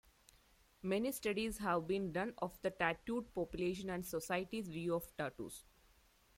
Many studies have been done of the tattooed population and society's view of tattoos.